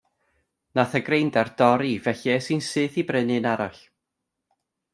Nath y greindar dorri felly es i'n syth i brynu un arall.